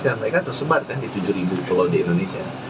karena mereka tersebar kan di tujuh pulau di indonesia